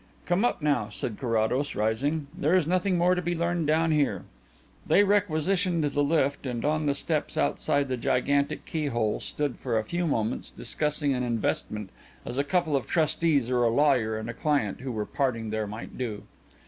"Come up now," said Carrados, rising. "There is nothing more to be learned down here." They requisitioned the lift and on the steps outside the gigantic keyhole stood for a few minutes discussing an investment as a couple of trustees or a lawyer and a client who were parting there might do.